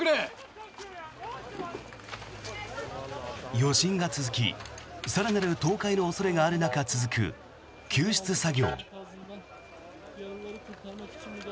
余震が続き更なる倒壊の恐れがある中続く救出作業。